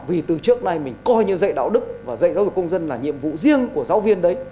vì từ trước nay mình coi như dạy đạo đức và dạy giáo dục công dân là nhiệm vụ riêng của giáo viên đấy